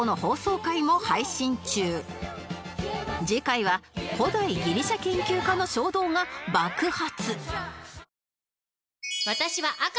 次回は古代ギリシャ研究家の衝動が爆発！